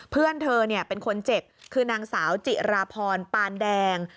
เพื่อนเธอเป็นคนเจ็บคือนางสาวจิราพรปานแดง